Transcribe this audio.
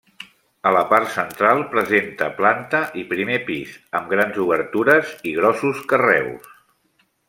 A la part central presenta planta i primer pis, amb grans obertures i grossos carreus.